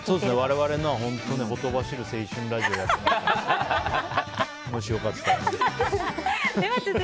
我々のは本当にほとばしる青春ラジオをやってるので。